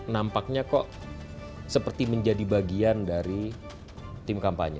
nampaknya kok seperti menjadi bagian dari tim kampanye